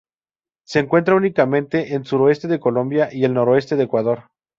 Se encuentra únicamente en suroeste de Colombia y el noroeste de Ecuador.